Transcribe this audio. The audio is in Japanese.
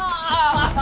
アハハハ！